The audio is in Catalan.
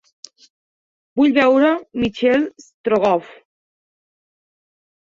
Vull veure Michel Strogoff